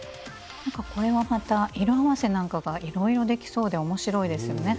これはまた色合わせなんかがいろいろできそうで面白いですよね。